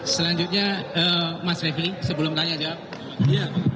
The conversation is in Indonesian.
selanjutnya mas refli sebelum tanya jawab